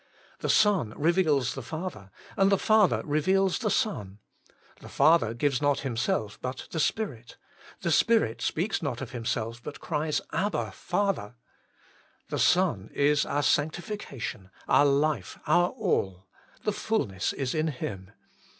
The Son reveals the Father, and the Father reveals the Son. The Father gives not Himself, but the Spirit : the Spirit speaks not of Himself, but cries THE THRICE HOLY ONE. 113 Abba Father! The Son is our Sanctificatiori, our Life, our All : the fulness is in Him.